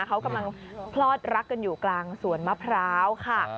เขากำลังพลอดรักกันอยู่กลางสวนมะพร้าวค่ะ